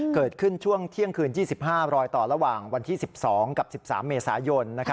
เกิดขึ้นช่วงเที่ยงคืน๒๕รอยต่อระหว่างวันที่๑๒กับ๑๓เมษายน